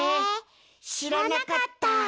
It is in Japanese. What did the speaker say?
しらなかった！